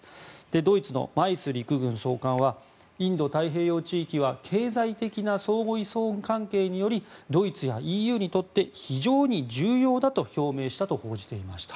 ドイツのマイス陸軍総監はインド太平洋地域は経済的な相互依存関係によりドイツやＥＵにとって非常に重要だと表明したと報じていました。